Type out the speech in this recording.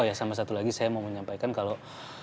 ya sama satu lagi saya mau menyampaikan kalau